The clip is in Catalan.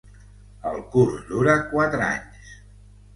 El curs dura quatre anys.